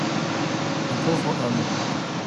Un pauvre homme.